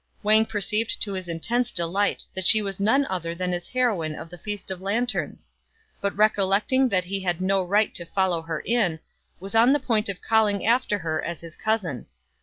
Wang perceived to his intense delight that she was none other than his heroine of the Feast of Lanterns ; but recollecting that he had no right to follow her in, was on the point of calling after her as his cousin.